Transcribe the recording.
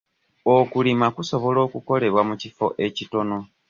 Okulima kusobola okukolebwa mu kifo ekitono.